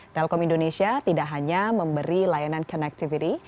telkom indonesia tidak hanya memberi layanan connectivity